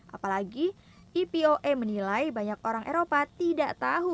apalagi epoa menilai banyak orang eropa tidak tahu